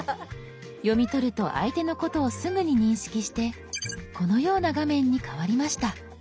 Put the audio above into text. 読み取ると相手のことをすぐに認識してこのような画面に変わりました。